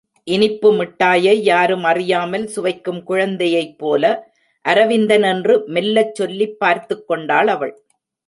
இனிப்பு மிட்டாயை யாரும் அறியாமல் சுவைக்கும் குழந்தையைப்போல அரவிந்தன் என்று மெல்லச் சொல்லிப் பார்த்துக்கொண்டாள் அவள்.